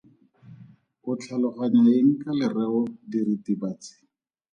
O tlhaloganya eng ka lereo diritibatsi?